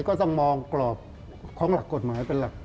ก็ต้องมองกรอบของหลักกฎหมายเป็นหลัก